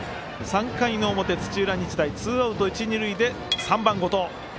３回の表、土浦日大ツーアウト、一二塁で３番、後藤。